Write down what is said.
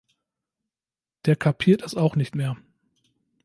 Der kapiert es auch nicht mehr!